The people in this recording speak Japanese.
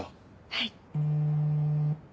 はい。